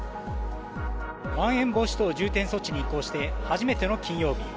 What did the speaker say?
まん延防止等重点措置に移行して、初めての金曜日。